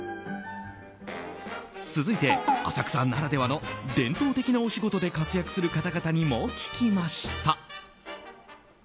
続いて、浅草ならではの伝統的なお仕事で活躍する方々にも聞きました。